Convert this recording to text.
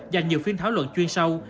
và nhiều phiên thảo luận chuyên sâu